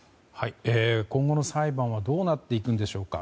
今後の裁判はどうなっていくんでしょうか。